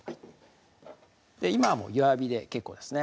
今は弱火で結構ですね